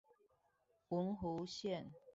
文湖線